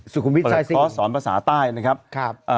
สอนภาษาใต้นะครับ